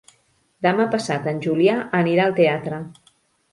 Demà passat en Julià anirà al teatre.